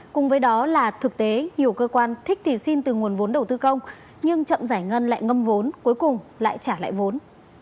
cùng với đó là thực tế nhiều cơ quan thích thì xin từ nguồn vốn đầu tư công nhưng chậm giải ngân lại ngâm vốn cuối cùng lại trả lại vốn